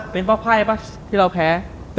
เป็นพ่อไพ่หรอที่เราแพ้